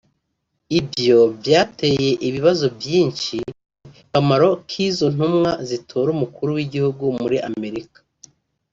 Ivyo vyateye ibibazo vyinshi ku kamaro k’izo ntumwa zitora umukuru w’igihugu muri Amerika